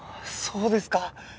そうですか！